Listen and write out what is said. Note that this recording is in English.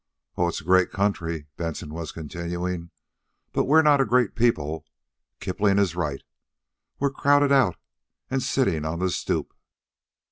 "Oh, it's a great country," Benson was continuing. "But we're not a great people. Kipling is right. We're crowded out and sitting on the stoop.